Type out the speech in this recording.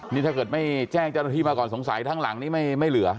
นี่ถ้าเกิดไม่แจ้งเจ้าหน้าที่มาก่อนสงสัยทั้งหลังนี้ไม่เหลือ